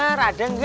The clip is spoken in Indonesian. bener ada gak